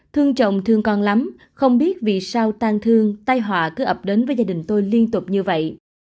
thương chồng thương con lắm không biết vì sao tan thương tai họa cứ ập đến với gia đình tôi liên tục như vậy